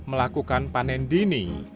melakukan panen dini